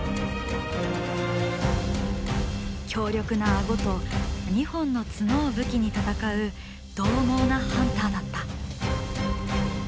強力なアゴと２本のツノを武器に戦うどう猛なハンターだった。